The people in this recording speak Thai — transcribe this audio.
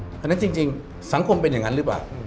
เพราะฉะนั้นจริงสังคมเป็นอย่างนั้นหรือเปล่า